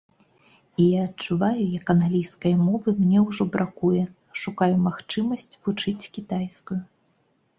І я адчуваю, як англійскай мовы мне ўжо бракуе, шукаю магчымасць вучыць кітайскую.